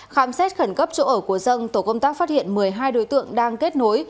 khám xét khẩn cấp chỗ ở của dân tổ công tác phát hiện một mươi hai đối tượng đang kết nối